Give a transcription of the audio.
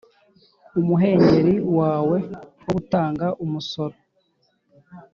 umuhengeri wawe wo gutanga umusoro: